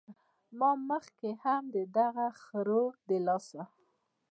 ما مخکښې هم د دغه خرو د لاسه